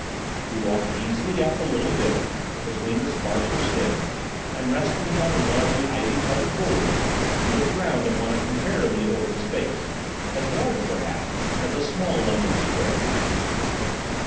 We walked easily up the little hill, between the sparser stems, and, resting upon one of the ivy covered boulders, looked round upon a comparatively open space, as large, perhaps, as a small London Square.